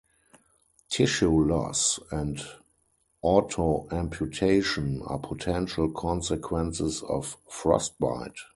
Tissue loss and autoamputation are potential consequences of frostbite.